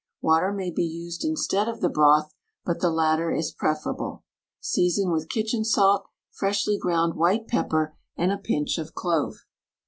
Water may be used instead of the broth but the latter is preferable. Season with kitchen salt, freshly ground white pepper and a pinch of clove.